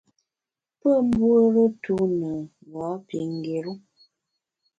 Pe mbuore tu ne gha pi ngéru.